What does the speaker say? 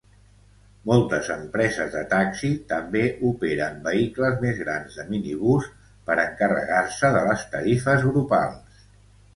Moltes empreses de taxi també operen vehicles més grans de minibús per encarregar-se de les tarifes grupals.